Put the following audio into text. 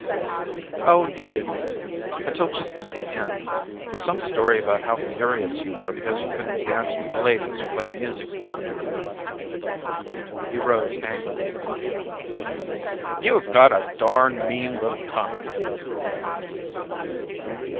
"Oh, you didn't until just at the end with some story about how furious you were because you couldn't dance with the ladies you played music for." He rose angrily. "You have got a darn mean little tongue."